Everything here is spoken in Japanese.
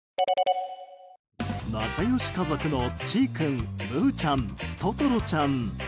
仲良し家族のちい君むうちゃん、ととろちゃん。